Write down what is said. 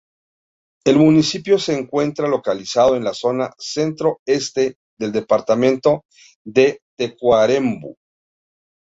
El municipio se encuentra localizado en la zona centro-este del departamento de Tacuarembó.